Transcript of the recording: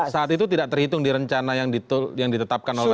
saat itu tidak terhitung di rencana yang ditetapkan oleh